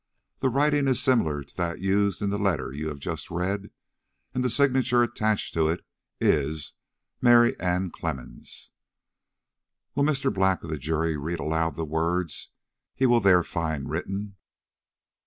The writing is similar to that used in the letter you have just read, and the signature attached to it is 'Mary Ann Clemmens.' Will Mr. Black of the jury read aloud the words he will there find written?"